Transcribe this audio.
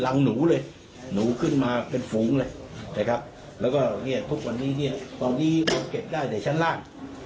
หลังหนูเลยหนูขึ้นมาเป็นฝูงเลยแล้วก็ทุกวันนี้ตอนนี้เก็บได้แต่ชั้นล่าง